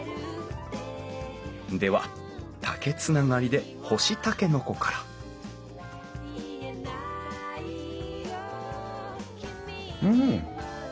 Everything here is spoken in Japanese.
では竹つながりで干しタケノコからうん！